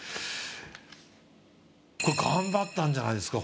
これ頑張ったんじゃないですか？